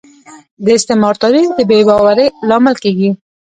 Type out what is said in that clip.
د استعمار تاریخ د بې باورۍ لامل کیږي